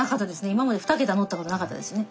今まで２桁乗った事なかったですね。